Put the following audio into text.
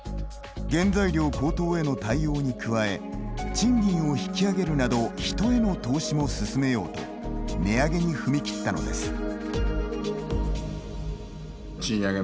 原材料高騰への対応に加え賃金を引き上げるなど人への投資も進めようと値上げに踏み切ったのです。